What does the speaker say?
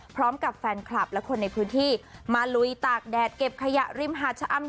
พร้อมกับแฟนคลับและคนในพื้นที่มาลุยตากแดดเก็บขยะริมหาดชะอำ